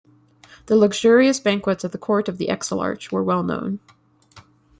The luxurious banquets at the court of the exilarch were well known.